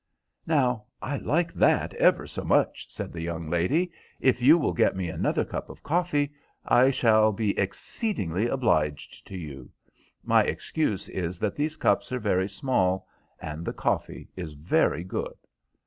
"Now, I like that ever so much," said the young lady; "if you will get me another cup of coffee I shall be exceedingly obliged to you. My excuse is that these cups are very small, and the coffee is very good."